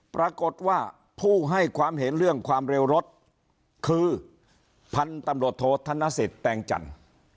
ปรากฏว่าผู้ให้ความเห็นเรื่องความเร็วรถคือพันธุ์ตำรวจโทษธนสิทธิ์แตงจันทร์